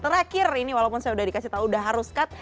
terakhir ini walaupun saya udah dikasih tahu udah harus cut